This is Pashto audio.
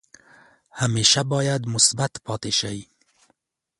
همیشه باید مثبت پاتې شئ.